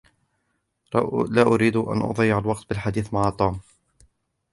لا أريد أن أضيع الوقت بالحديث مع توم.